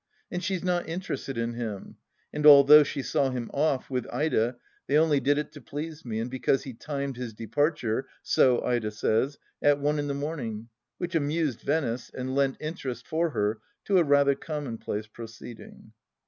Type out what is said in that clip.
And she is not interested in him ; and although she saw him off, with Ida, they only did it to please me and because he timed his departure, so Ida says, at one in the morning, which amused Venice and lent interest for her to a rather commonplace proceeding.